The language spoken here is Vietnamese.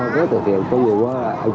cái tiền tôi vô